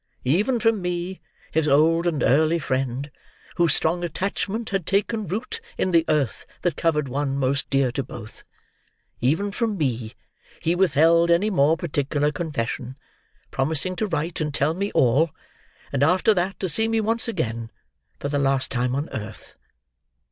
Even from me, his old and early friend, whose strong attachment had taken root in the earth that covered one most dear to both—even from me he withheld any more particular confession, promising to write and tell me all, and after that to see me once again, for the last time on earth.